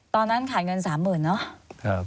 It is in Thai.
ตอนนั้นขายเงินสามหมื่นเนาะ